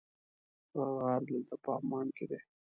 هغه غار دلته په عمان کې دی.